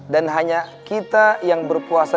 dan hanya kita yang berpuasa